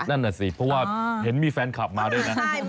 นั่นน่ะสิเพราะว่าเห็นมีแฟนคลับมาด้วยนะ